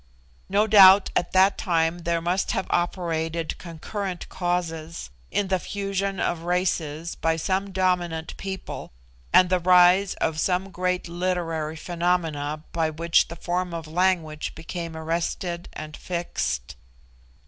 No doubt at that time there must have operated concurrent causes, in the fusion of races by some dominant people, and the rise of some great literary phenomena by which the form of language became arrested and fixed.